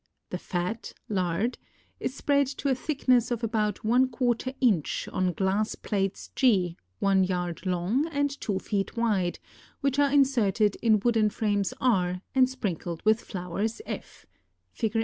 The fat (lard) is spread to a thickness of about one quarter inch on glass plates G one yard long and two feet wide, which are inserted in wooden frames R and sprinkled with flowers F (Fig.